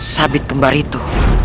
sabit kembar itu